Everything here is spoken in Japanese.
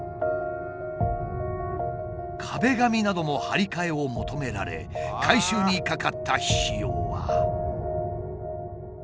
壁紙なども張り替えを求められ改修にかかった費用は。